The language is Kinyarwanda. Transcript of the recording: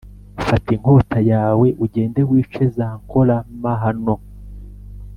fata inkota yawe ugende wice zankora mahano